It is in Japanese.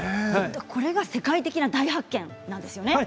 これが世界的な大発見なんですよね。